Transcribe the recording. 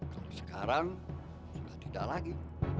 kalau sekarang sudah tidak lagi